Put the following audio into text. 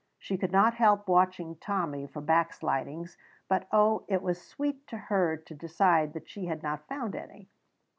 She could not help watching Tommy for backslidings, but oh, it was sweet to her to decide that she had not found any.